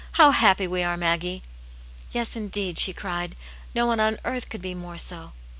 How happy we are, Maggie !" "Yes, indeed," she cried. "No one on earth could be more so.